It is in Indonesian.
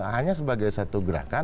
hanya sebagai satu gerakan